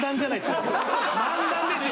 漫談ですよ